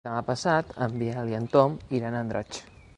Demà passat en Biel i en Tom iran a Andratx.